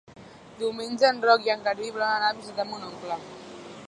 Diumenge en Roc i en Garbí volen anar a visitar mon oncle.